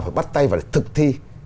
phải bắt tay và thực thi